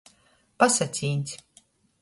Pasacīņs.